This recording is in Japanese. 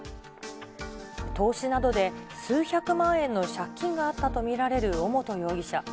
投資などで数百万円の借金があったと見られる尾本容疑者。